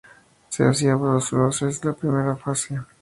Se hacía dos veces la primera fase.